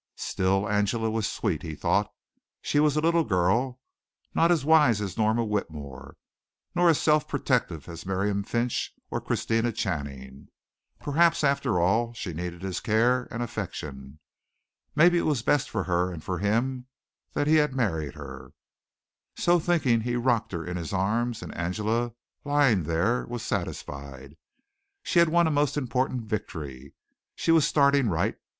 Still Angela was sweet, he thought. She was a little girl not as wise as Norma Whitmore, not as self protective as Miriam Finch or Christina Channing. Perhaps after all she needed his care and affection. Maybe it was best for her and for him that he had married her. So thinking he rocked her in his arms, and Angela, lying there, was satisfied. She had won a most important victory. She was starting right.